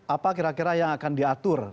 apa kira kira yang akan diatur